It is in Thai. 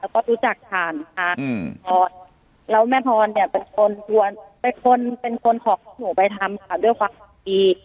ก็รู้จักผ่านค่ะแล้วแม่ผ่อนเนี่ยเป็นคนทวนเป็นคนขอข้อหนูไปทำข่าวด้วยฟังธรรมดี